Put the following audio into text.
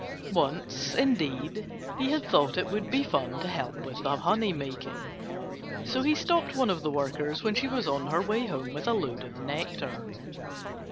Once, indeed, he had thought it would be fun to help with the honey making. So he stopped one of the workers when she was on her way home with a load of nectar.